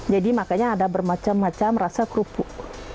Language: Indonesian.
jadi makanya ada bermacam macam rasa kerupuk